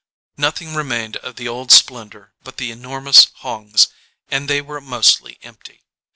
Nothing remained of the old splendour but the enormous hongs, and they were mostly empty.